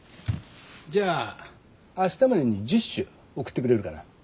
じゃあ明日までに１０首送ってくれるかな。